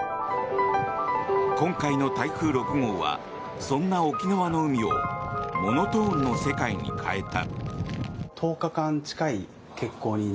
今回の台風６号はそんな沖縄の海をモノトーンの世界に変えた。